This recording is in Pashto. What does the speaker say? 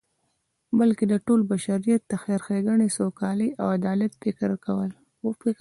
بلکی د ټول بشریت د خیر، ښیګڼی، سوکالی او عدالت فکر ولری